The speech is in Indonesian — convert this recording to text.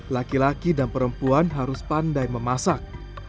laki laki dan perempuan harus pandai memasak